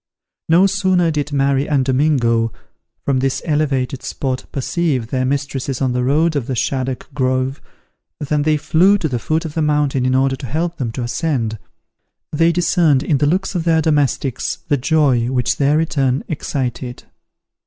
No sooner did Mary and Domingo, from this elevated spot, perceive their mistresses on the road of the Shaddock Grove, than they flew to the foot of the mountain in order to help them to ascend. They discerned in the looks of their domestics the joy which their return excited.